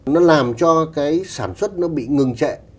nó làm cho cái sản xuất nó bị ngừng trệ